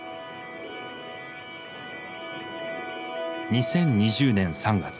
２０２０年３月。